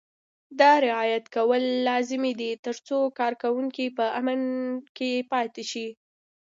دا رعایت کول لازمي دي ترڅو کارکوونکي په امن کې پاتې شي.